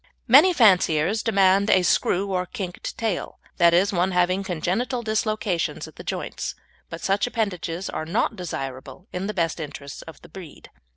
Many fanciers demand a "screw" or "kinked" tail, that is, one having congenital dislocations at the joints, but such appendages are not desirable in the best interests of the breed.